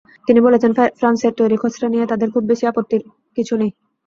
তিনি বলেছেন, ফ্রান্সের তৈরি খসড়া নিয়ে তাঁদের খুব বেশি আপত্তির কিছু নেই।